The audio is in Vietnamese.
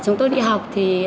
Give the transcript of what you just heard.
chúng tôi đi học thì